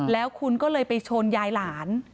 แล้วคุณก็เลยไปชนยายหลาน